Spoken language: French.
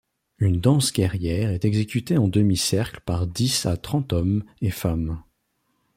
Une danse guerrière est exécutée en demi-cercle par dix à trente hommes et femmes.